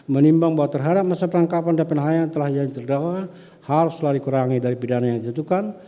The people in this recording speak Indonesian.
menimbang bahwa terhadap masa perangkapan dan penahayaan yang telah dijalankan terdakwa harus selalu dikurangi dari pidana yang ditutupkan